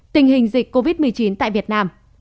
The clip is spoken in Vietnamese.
tình hình dịch covid một mươi chín tại việt nam